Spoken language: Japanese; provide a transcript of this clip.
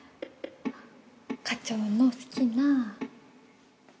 課長の好きな。